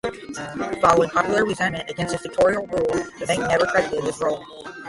Following popular resentment against his dictatorial rule, the bank never credited his role.